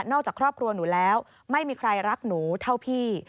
จากครอบครัวหนูแล้วไม่มีใครรักหนูเท่าพี่